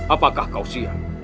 apakah kau siap